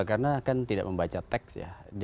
karena kan tidak membaca teks ya